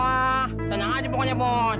kayaknya nggak ada yang nyebarin